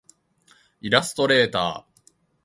イラストレーター